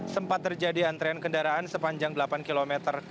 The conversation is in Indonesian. sempat terjadi antrean kendaraan sepanjang delapan km